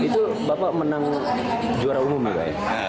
itu bapak menang juara umum juga ya